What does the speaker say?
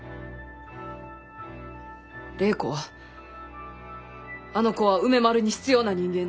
礼子はあの子は梅丸に必要な人間です。